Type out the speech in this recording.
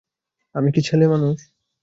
আমি কি ছেলেমানুষ।